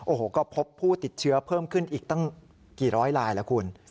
โอ้โหก็พบผู้ติดเชื้อเพิ่มขึ้นอีกตั้งกี่ร้อยลายแล้วคุณ